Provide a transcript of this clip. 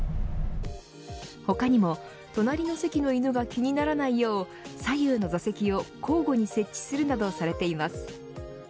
他にも隣の席の犬が気にならないよう左右の座席を交互に設置するなどされています。